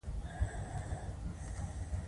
د میدان وردګو په دایمیرداد کې د څه شي نښې دي؟